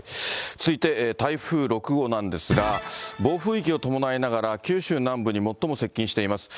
続いて台風６号なんですが、暴風域を伴いながら、九州南部に最も接近しています。